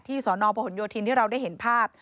ที่สอนพยทินทร์ที่เราได้เห็นภาพ